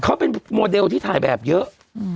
เขาเป็นโมเดลที่ถ่ายแบบเยอะ